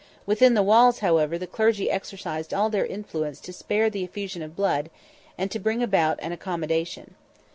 Within the walls, however, the clergy exercised all their influence to spare the effusion of blood, and to bring about an accommodation.